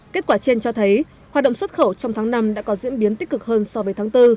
kết quả trên cho thấy hoạt động xuất khẩu trong tháng năm đã có diễn biến tích cực hơn so với tháng bốn